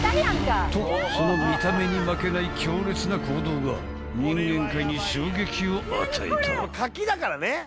［とその見た目に負けない強烈な行動が人間界に衝撃を与えた］